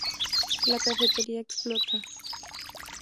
La cafetería explota.